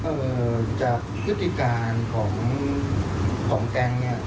เอ่อจากพฤติการของของแก๊งเนี่ย